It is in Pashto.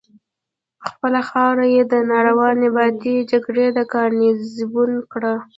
خپله خاوره یې د ناروا نیابتي جګړې ګارنیزیون کړه.